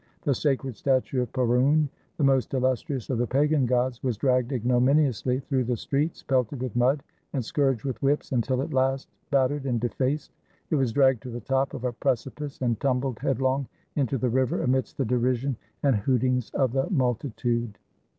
The sacred statue of Peroune, the most illustrious of the pagan gods, was dragged ignominiously through the streets, pelted with mud and scourged with whips, until at last, bat tered and defaced, it was dragged to the top of a preci pice and tumbled headlong into the river, amidst the derision and hootings of the multitude.